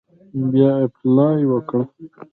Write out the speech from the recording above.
بیا اپلای وکړه.